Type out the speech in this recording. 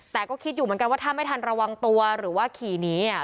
แต่ก็คิดอยู่เหมือนกันว่าถ้าไม่ทันระวังตัวหรือว่าขี่หนีอ่ะ